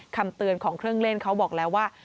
คำเตือนของเครื่องเล่นเขาบอกแล้วว่า